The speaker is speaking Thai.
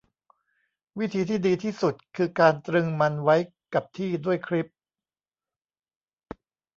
วิธีที่ดีที่สุดคือการตรึงมันไว้กับที่ด้วยคลิป